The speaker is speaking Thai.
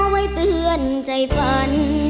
ไว้เตือนใจฝัน